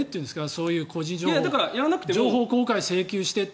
そういう個人情報を情報公開請求してって。